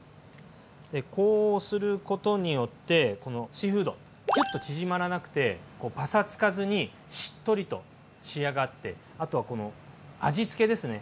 こうすることによってこのシーフードキュッと縮まらなくてパサつかずにしっとりと仕上がってあとはこの味付けですね。